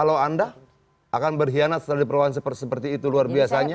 kalau anda akan berkhianat setelah diperluan seperti itu luar biasanya